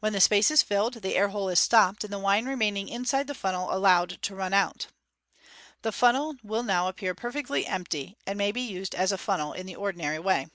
When the space is filled, the air hole is stopped, and pIG 2I0# the wine remaining inside the funnel allowed to run out. The funnel will now appear perfectly empty, and may be used as a funnel in the ordinary way.